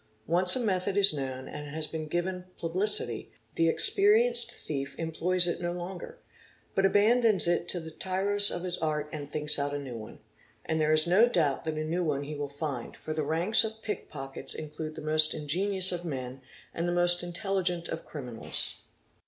Once a method is known and has been given publi city, the experienced thief employs it no longer, but abandons it to the tiros of his art and thinks out a new one. And there is no doubt that a new one he will find, for the ranks of pickpockets include the most ingenious of men and the most intelligent of criminals.